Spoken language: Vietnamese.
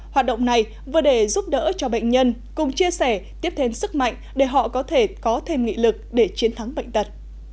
hoạt động này vừa để giúp đỡ cho bệnh nhân cùng chia sẻ tiếp thêm sức mạnh để họ có thể có thêm nghị lực để chiến thắng bệnh tật